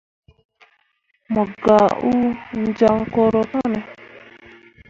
Mo gah uu jaŋ koro kane.